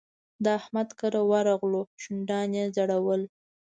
د احمد کره ورغلو؛ شونډان يې ځړول.